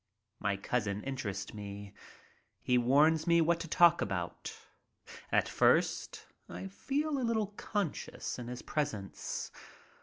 My cousin interests me. He warns me what to talk about. At first I felt a little conscious in his presence.